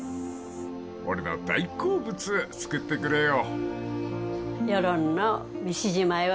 俺の大好物作ってくれよ］